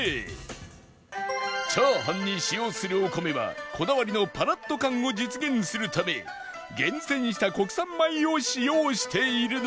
チャーハンに使用するお米はこだわりのパラッと感を実現するため厳選した国産米を使用しているのだ